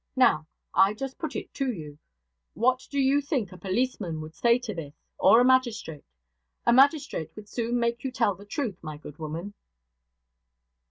Now, I just put it to you, what do you think a policeman would say to this, or a magistrate? A magistrate would soon make you tell the truth, my good woman.'